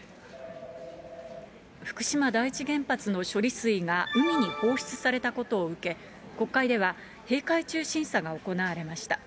福島第一原発の処理水が海に放出されたことを受け、国会では閉会中審査が行われました。